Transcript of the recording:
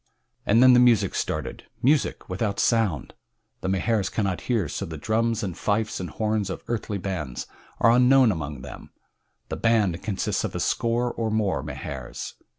And then the music started music without sound! The Mahars cannot hear, so the drums and fifes and horns of earthly bands are unknown among them. The "band" consists of a score or more Mahars.